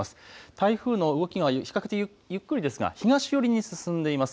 台風の動きが比較的ゆっくりですが東寄りに進んでいます。